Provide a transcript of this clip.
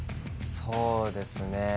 そうですね。